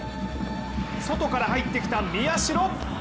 外から入ってきた宮代。